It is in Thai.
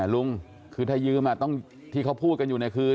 ลุงคือถ้ายืมที่เขาพูดกันอยู่ในคืน